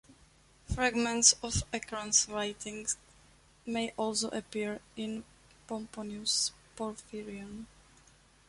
Fragments of Acron's writing may also appear in Pomponius Porphyrion.